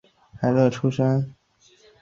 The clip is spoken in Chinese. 发现只剩下六分钟